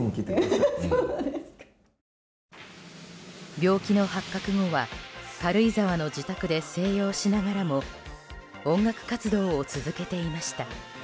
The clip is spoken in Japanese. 病気の発覚後は軽井沢の自宅で静養しながらも音楽活動を続けていました。